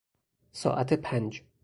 ساعت پنج